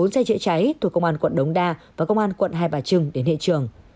bốn xe chữa cháy thuộc công an quận đống đa và công an quận hai bà trưng đến hệ trường